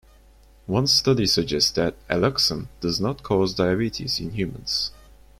One study suggests that alloxan does not cause diabetes in humans.